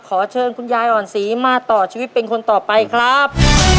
ขอเชิญคุณยายอ่อนศรีมาต่อชีวิตเป็นคนต่อไปครับ